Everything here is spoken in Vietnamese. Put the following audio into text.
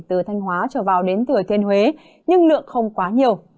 từ thanh hóa trở vào đến thừa thiên huế nhưng lượng không quá nhiều